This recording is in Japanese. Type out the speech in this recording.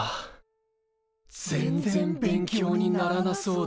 全然勉強にならなそうだ。